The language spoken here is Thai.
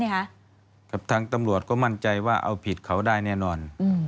กับทางตำรวจก็มั่นใจว่าเอาผิดเขาได้แน่นอน